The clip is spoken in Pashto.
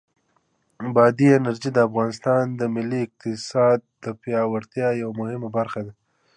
بادي انرژي د افغانستان د ملي اقتصاد د پیاوړتیا یوه مهمه برخه ده.